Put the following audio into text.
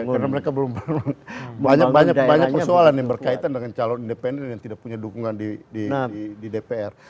karena mereka belum banyak persoalan yang berkaitan dengan calon independen yang tidak punya dukungan di dpr